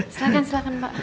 silahkan silahkan pak